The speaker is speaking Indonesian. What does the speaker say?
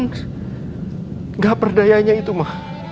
tidak berdayanya itu ma